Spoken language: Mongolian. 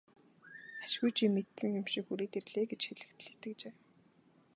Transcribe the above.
Ашгүй чи мэдсэн юм шиг хүрээд ирлээ гэж хэлэхэд л итгэжээ.